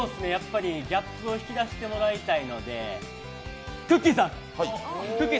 ギャップを引き出してもらいたいのでくっきー！